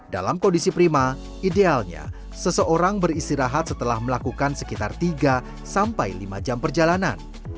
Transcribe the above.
dalam kondisi prima idealnya seseorang beristirahat setelah melakukan sekitar tiga sampai lima jam perjalanan